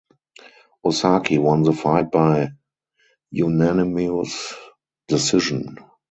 Osaki won the fight by unanimous decision.